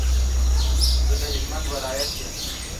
زه د هلمند ولایت یم.